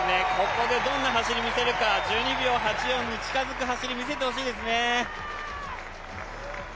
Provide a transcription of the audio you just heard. ここでどんな走り見せるか、１２秒８４に近づく走り見せてほしいですね。